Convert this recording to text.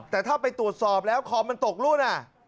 แต่ถ้าไปตรวจสอบแล้วคอมมันตกรุ่น